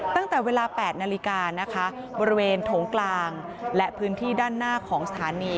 ตั้งแต่เวลา๘นาฬิกานะคะบริเวณโถงกลางและพื้นที่ด้านหน้าของสถานี